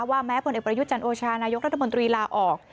ว่าแม้บนเอกบริยุทธจันทรโอชานายกรัฐมนตรีลาออก